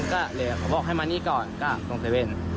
ก็เลยเขาบอกให้มานี่ก่อนก็ลงเซเว่น